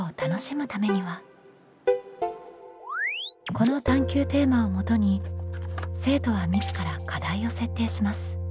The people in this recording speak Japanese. この探究テーマをもとに生徒は自ら課題を設定します。